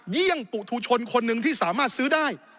เยี่ยมปุธุชนคนหนึ่งที่สามารถซื้อได้